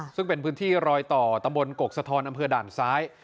ซึ่งเป็นพื้นที่รอยต่อตำบลกกสะทอนอำเภอด่านซ้าย